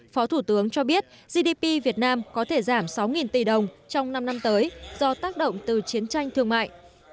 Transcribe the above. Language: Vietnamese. phó thủ tướng cho biết gdp việt nam có thể giảm sáu tỷ đồng trong năm năm tới do tác động từ chiến tranh thương mại